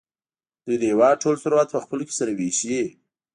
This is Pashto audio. دوی د هېواد ټول ثروت په خپلو کې سره وېشي.